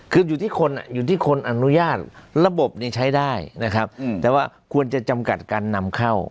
คืออยู่ที่คนอยู่ที่คนอนุญาตระบบนี้ใช้ได้นะครับแต่ว่าควรจะจำกัดการนำเข้า